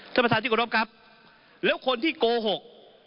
ท่านประธานที่กรบครับแล้วคนที่โกหก